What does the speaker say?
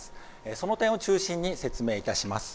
その点を中心に説明いたします。